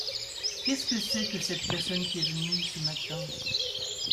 Qu’est-ce que c’est que cette personne qui est venue ce matin ?…